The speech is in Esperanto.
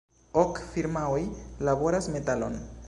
Ok firmaoj laboras metalon.